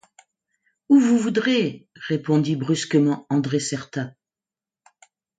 Où vous voudrez! répondit brusquement André Certa.